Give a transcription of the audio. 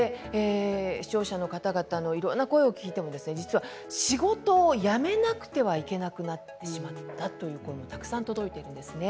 視聴者の方々のいろいろな声を聞いても実は仕事を辞めなくてはいけなくなってしまったという声もたくさん届いているんですね。